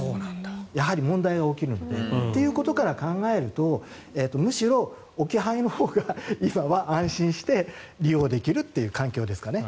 やはり問題が起きるので。ということから考えるとむしろ置き配のほうが今は安心して利用できるという環境ですかね。